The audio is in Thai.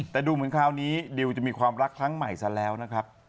แต่ดูเหมือนคราวนี้ดิวจะมีความรักครั้งใหม่ซะแล้วนะครับ